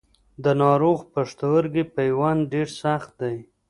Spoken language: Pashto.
د ناروغ پښتورګي پیوند ډېر سخت دی.